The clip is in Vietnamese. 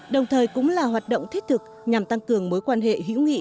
đồng thời cũng là hoạt động thiết thực nhằm tăng cường mối quan hệ hữu nghị